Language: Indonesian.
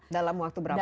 dalam waktu berapa lama